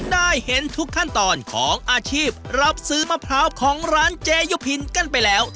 ได้เห็นทุกขั้นตอนของอาชีพรับซื้อมะพร้าวของร้านเจยุพินกันไปแล้ว